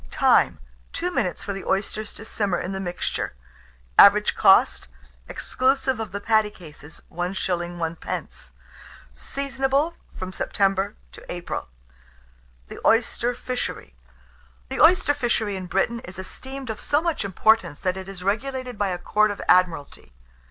Time. 2 minutes for the oysters to simmer in the mixture. Average cost, exclusive of the patty cases, 1s. 1d. Seasonable from September to April. THE OYSTER FISHERY. The oyster fishery in Britain is esteemed of so much importance, that it is regulated by a Court of Admiralty.